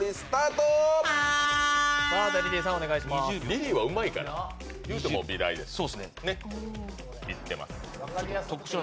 リリーはうまいから、いうても美大ですから。